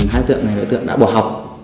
hai đối tượng này đối tượng đã bỏ học